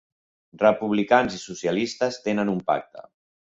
Republicans i socialistes tenen un pacte